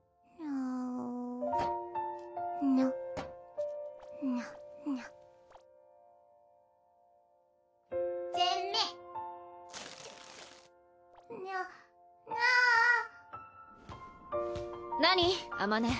あまね。